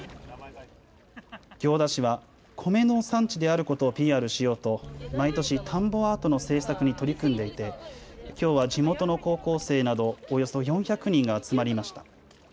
行田市は米の産地であることをＰＲしようと毎年、田んぼアートの制作に取り組んでいてきょうは地元の高校生などおよそ４００人が集まりました。